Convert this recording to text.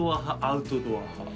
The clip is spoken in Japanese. アウトドア派？